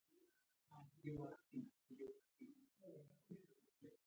علي په زړه داسې داغ راکړ، چې تر عمره به مې هېر نشي.